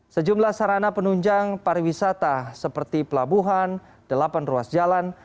sejumlah sarana penunjang pariwisata seperti pelabuhan delapan ruas jalan